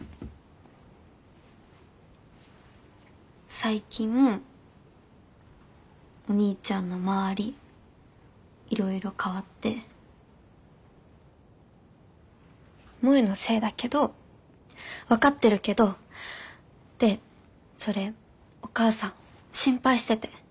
最近お兄ちゃんの周り色々変わって萌のせいだけど分かってるけどでそれお母さん心配してて。